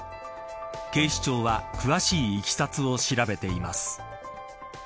警視庁は詳しいいきさつを調べています。